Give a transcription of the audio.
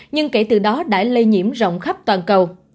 nhưng kể từ đó đã lây nhiễm rộng khắp toàn cầu